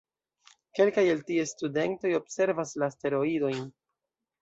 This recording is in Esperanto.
Kelkaj el ties studentoj observas la asteroidojn.